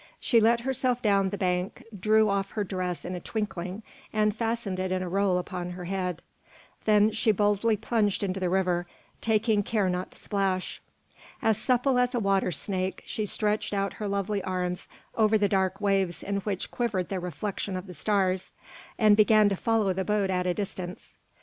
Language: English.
She let herself down the bank, drew off her dress in a twinkling, and fastened it in a roll upon her head; then she boldly plunged into the river, taking care not to splash. As supple as a water snake, she stretched out her lovely arms over the dark waves in which quivered the reflection of the stars, and began to follow the boat at a distance.